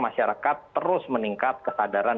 masyarakat terus meningkat kesadaran